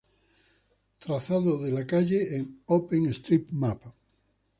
Trazado de la calle en Google Maps.